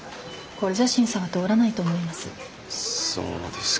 これじゃ審査は通らないと思います。